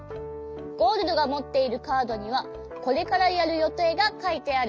ゴールドがもっているカードにはこれからやるよていがかいてある。